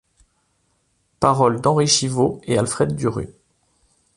Paroles d’Henri Chivot et Alfred Duru.